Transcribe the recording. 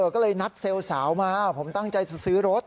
ก็เลยนัดเซลล์สาวมาผมตั้งใจจะซื้อรถ